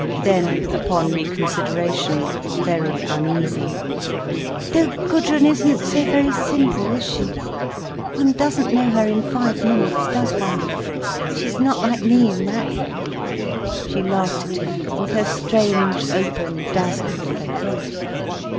Then, upon reconsideration, very uneasy: "Though Gudrun isn't so very simple, is she? One doesn't know her in five minutes, does one? She's not like me in that." She laughed at him with her strange, open, dazzled face.